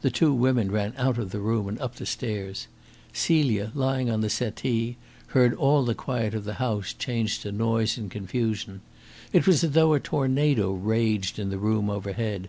The two women ran out of the room and up the stairs. Celia, lying on the settee, heard all the quiet of the house change to noise and confusion. It was as though a tornado raged in the room overhead.